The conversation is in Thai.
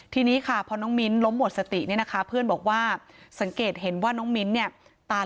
ทีนี้ค่ะพอน้องมิ้นล้มหมดสติเนี่ยนะคะเพื่อนบอกว่าสังเกตเห็นว่าน้องมิ้นเนี่ยตา